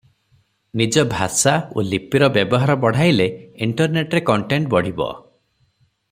ନିଜ ଭାଷା ଓ ଲିପିର ବ୍ୟବହାର ବଢ଼ାଇଲେ ଇଣ୍ଟରନେଟରେ କଣ୍ଟେଣ୍ଟ ବଢ଼ିବ ।